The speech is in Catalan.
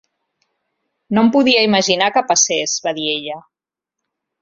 No em podia imaginar que passés, va dir ella.